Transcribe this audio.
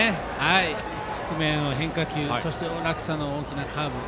低めの変化球そして、落差の大きなカーブ。